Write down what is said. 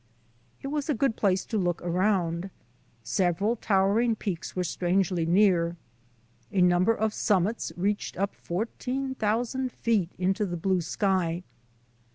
" It was a good place to look around. Several towering peaks were strangely near. A number of summits reached up fourteen thousand feet into the blue sky.